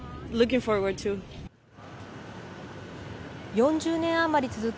４０年余り続く